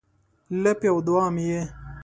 لپې او دوعا مې یې